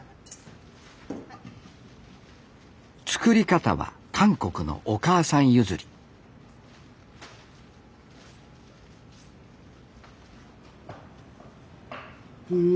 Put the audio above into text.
作り方は韓国のお母さん譲りうん。